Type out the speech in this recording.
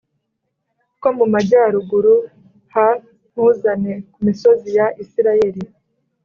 Two mu majyaruguru h nkuzane ku misozi ya isirayeli